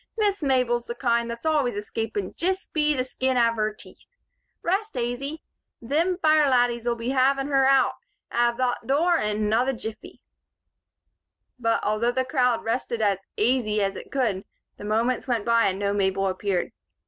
"Miss Mabel's the kind thot's always escapin' jist be the skin av her teeth. Rest aisy. Thim fire laddies'll be havin' her out av thot dure in another jiffy." But, although the crowd rested as "aisy" as it could, the moments went by and no Mabel appeared.